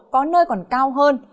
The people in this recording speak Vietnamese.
có nơi còn cao hơn